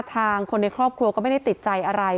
ทางคนในครอบครัวก็ไม่ได้ติดใจอะไร